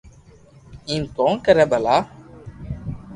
ايم ڪون ڪري ڀلا